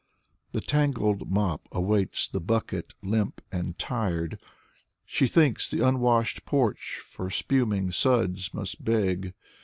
The tangled mop awaits the bucket, limp and tired. She thinks the unwashed porch for spuming suds must beg.